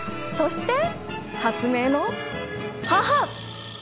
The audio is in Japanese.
そして発明の母！